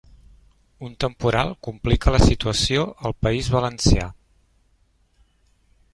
Un temporal complica la situació al País Valencià